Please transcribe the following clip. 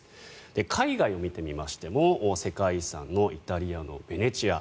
海外を見てみましても世界遺産のイタリアのベネチア。